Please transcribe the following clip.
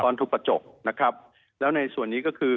ทุบกระจกนะครับแล้วในส่วนนี้ก็คือ